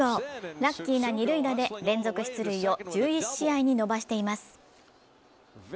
ラッキーな２塁打で連続出塁を１１試合に伸ばしています。